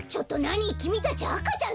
きみたちあかちゃんだよね！